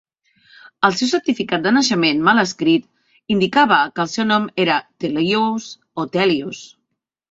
El seu certificat de naixement mal escrit indicava que el seu nom era "Thelious" o "Thelius".